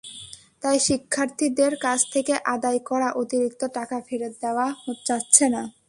তাই শিক্ষার্থীদের কাছ থেকে আদায় করা অতিরিক্ত টাকা ফেরত দেওয়া যাচ্ছে না।